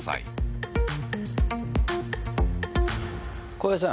浩平さん。